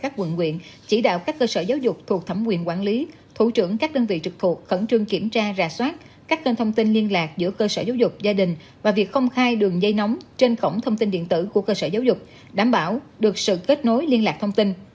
các quận quyện chỉ đạo các cơ sở giáo dục thuộc thẩm quyền quản lý thủ trưởng các đơn vị trực thuộc khẩn trương kiểm tra rà soát các kênh thông tin liên lạc giữa cơ sở giáo dục gia đình và việc công khai đường dây nóng trên cổng thông tin điện tử của cơ sở giáo dục đảm bảo được sự kết nối liên lạc thông tin